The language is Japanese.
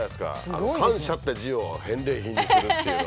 あの「感謝」っていう字を返礼品にするっていうのが。